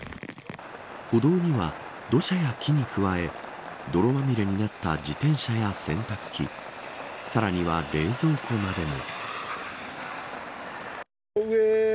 歩道には、土砂や木に加え泥まみれになった自転車や洗濯機さらには冷蔵庫までも。